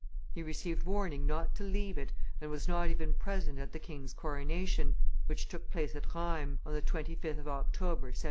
He received warning not to leave it, and was not even present at the king's coronation, which took place at Rheims, on the 25th of October, 1722.